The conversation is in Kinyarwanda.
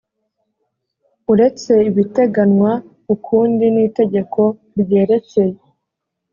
uretse ibiteganwa ukundi n itegeko ryerekeye